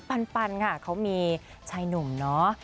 ปันค่ะเขามีชายหนุ่มเนาะ